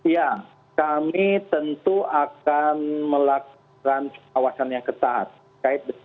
ya kami tentu akan melakukan pengawasan yang ketat